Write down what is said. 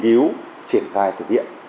nhiên cứu triển khai thực hiện